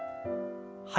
はい。